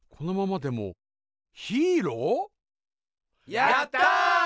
やった。